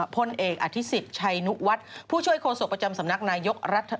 พลเอกอธิษฎชัยนุวัฒน์ผู้ช่วยโฆษกประจำสำนักนายกรัฐมนตรี